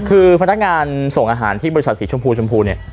คือพนักงานส่งอาหารที่บริษัทสีชมพูชมพูเนี่ย